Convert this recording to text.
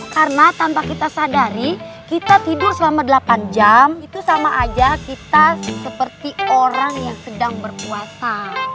karena tanpa kita sadari kita tidur selama delapan jam itu sama aja kita seperti orang yang sedang berpuasa